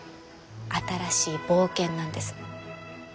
新しい冒険なんです。